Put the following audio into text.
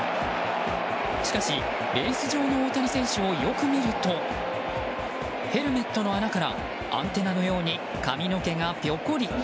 しかし、ベース上の大谷選手をよく見るとヘルメットの穴からアンテナのように髪の毛がぴょこり。